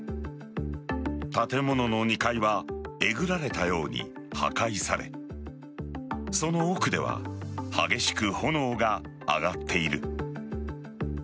建物の２階はえぐられたように破壊されその奥では激しく炎が上がっている。